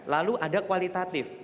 lalu ada kualitatif